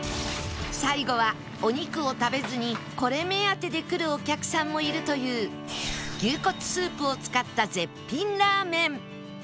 最後はお肉を食べずにこれ目当てで来るお客さんもいるという牛骨スープを使った絶品ラーメン